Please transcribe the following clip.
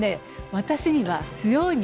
私には。